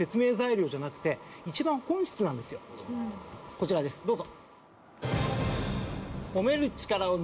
「こちらですどうぞ」